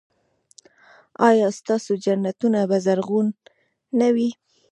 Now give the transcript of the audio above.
ایا ستاسو جنتونه به زرغون نه وي؟